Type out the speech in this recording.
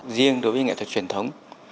riêng đối với nghệ thuật truyền thống